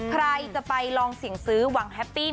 ใครจะไปลองเสี่ยงซื้อหวังแฮปปี้